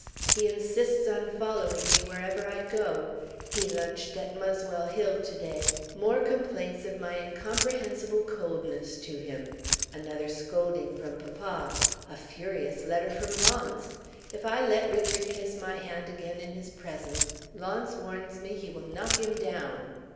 He insists on following me wherever I go. He lunched at Muswell Hill today. More complaints of my incomprehensible coldness to him. Another scolding from papa. A furious letter from Launce. If I let Richard kiss my hand again in his presence, Launce warns me he will knock him down.